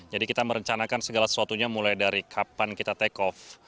jadi kita merencanakan segala sesuatunya mulai dari kapan kita take off